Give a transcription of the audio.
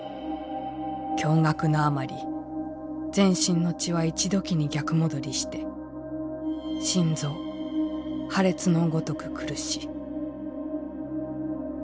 驚愕のあまり全身の血は一時に逆戻りして心臓破裂のごとく苦し」。